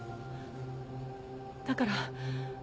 だから。